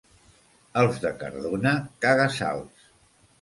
Els de Cardona, caga-sals.